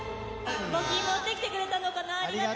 募金持ってきてくれたのかな、ありがとう。